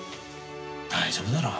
大丈夫だろ。